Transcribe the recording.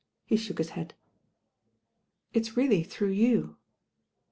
He shook his head. "It's really through you.'